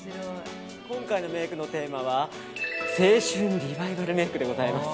今回のメイクのテーマは青春リバイバルメイクでございます。